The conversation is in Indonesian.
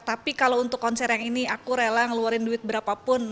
tapi kalau untuk konser yang ini aku rela ngeluarin duit berapapun